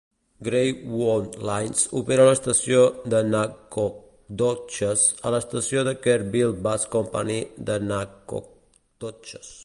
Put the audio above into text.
Greyhound Lines opera l'estació de Nacogdoches a l'estació de Kerrville Bus Company de Nacogdoches.